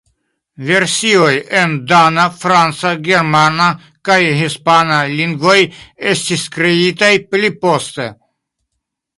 Versioj en dana, franca, germana kaj hispana lingvoj estis kreitaj pli poste.